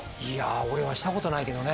俺はしたことないけどね。